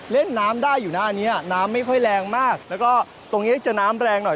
เล่นน้ำได้อยู่หน้านี้น้ำไม่ค่อยแรงมากแล้วก็ตรงนี้จะน้ำแรงหน่อย